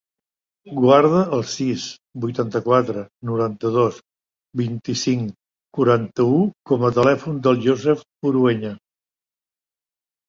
Guarda el sis, vuitanta-quatre, noranta-dos, vint-i-cinc, quaranta-u com a telèfon del Youssef Urueña.